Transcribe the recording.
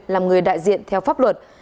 làm người đại diện theo pháp luật